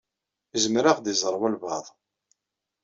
Izmer ad ɣ-d-iẓeṛ walebɛaḍ.